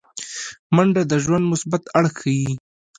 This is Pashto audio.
منډه د ژوند مثبت اړخ ښيي